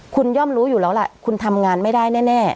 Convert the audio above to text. คุณย่อมรู้อยู่แล้วล่ะคุณทำงานไม่ได้แน่